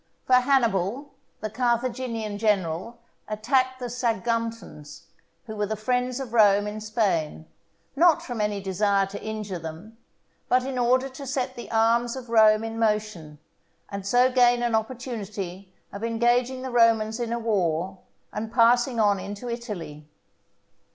For Hannibal the Carthaginian general attacked the Saguntans, who were the friends of Rome in Spain, not from any desire to injure them, but in order to set the arms of Rome in motion, and so gain an opportunity of engaging the Romans in a war, and passing on into Italy.